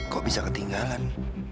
kok bisa ketinggalan